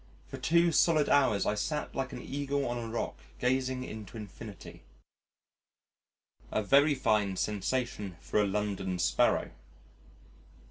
For two solid hours I sat like an Eagle on a rock gazing into infinity a very fine sensation for a London Sparrow....